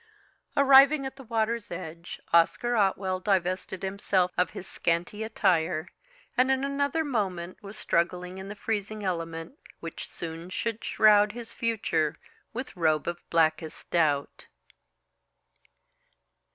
Arriving at the water's edge, Oscar Otwell divested himself of his scanty attire, and in another moment was struggling in the freezing element which soon should shroud his future with robe of blackest doubt.